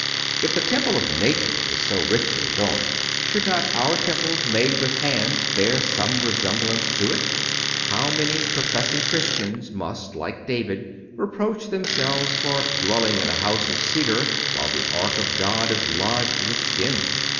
If the temple of nature is so richly adorned, should not our temples made with hands bear some resemblance to it? How many professing Christians must, like David, reproach themselves for "dwelling in a house of cedar, while the ark of God is lodged with skins."